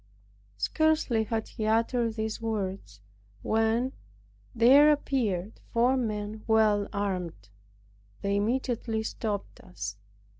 Scarcely had he uttered these words, when there appeared four men well armed. They immediately stopped us!